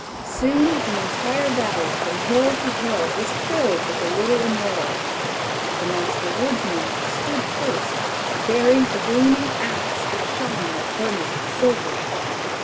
Soon the entire Valley, from hill to hill, was filled with the little immortals. The Master Woodsman stood first, bearing a gleaming ax that shone like burnished silver.